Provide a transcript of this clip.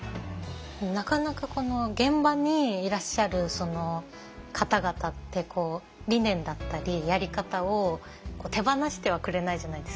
なかなか現場にいらっしゃる方々って理念だったりやり方を手放してはくれないじゃないですか。